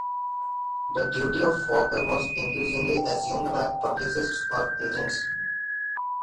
The duty of walker was increasingly assumed by publicists or agents.